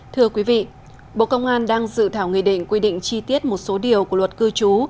thưa quý vị bộ công an đang dự thảo nghị định quy định chi tiết một số điều của luật cư trú